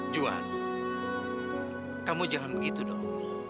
juan kamu jangan begitu dong